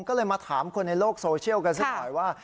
ก็เลยมาถามคนในโลกโซเชียลกันสักหน่อยว่า